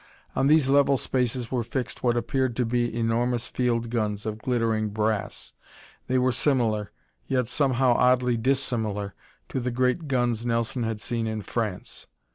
On these level spaces were fixed what appeared to be enormous field guns of glittering brass. They were similar, yet somehow oddly dissimilar, to the great guns Nelson had seen in France.